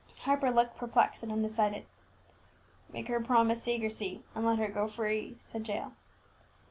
Harper looked perplexed and undecided. "Make her promise secrecy, and let her go free," said Jael.